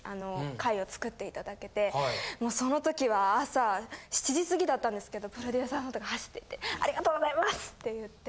もうその時は朝７時過ぎだったんですけどプロデューサーのとこ走っていってありがとうございますって言って。